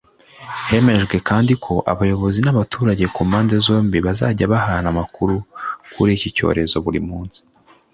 Hemejwe kandi ko abayobozi n’abaturage ku mpande zombi bazajya bahana amakuru kuri iki cyorezo buri munsi